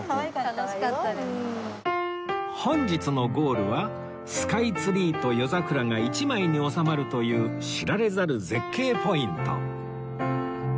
本日のゴールはスカイツリーと夜桜が一枚に収まるという知られざる絶景ポイント